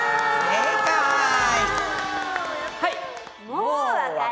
はい！